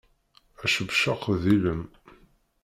Acabcaq d ilem.